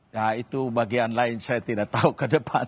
ya itu bagian lain saya tidak tahu ke depan